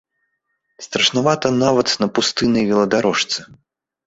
Страшнавата нават на пустыннай веладарожцы.